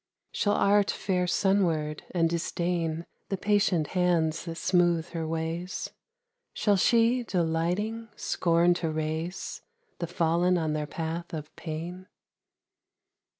Shall Art fare sunward, and disdain The patient hands that smooth her ways ? Shall she, delighting, scorn to raise The fallen on their path of pain? DEDICATION.